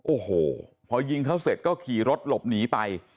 โอ้โหพอยิงเขาเสร็จก็ขี่รถหลบหนีไป